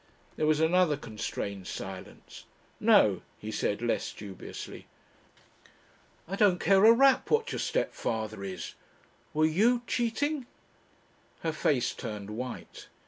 There was another constrained silence. "No," he said less dubiously. "I don't care a rap what your stepfather is. Were you cheating?" Her face turned white.